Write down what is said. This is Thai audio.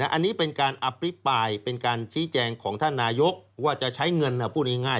อันนี้เป็นการอภิปรายเป็นการชี้แจงของท่านนายกว่าจะใช้เงินพูดง่าย